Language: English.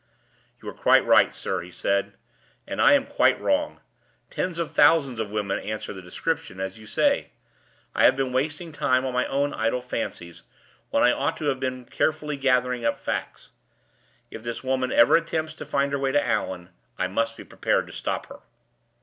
"You are quite right, sir," he said, "and I am quite wrong. Tens of thousands of women answer the description, as you say. I have been wasting time on my own idle fancies, when I ought to have been carefully gathering up facts. If this woman ever attempts to find her way to Allan, I must be prepared to stop her."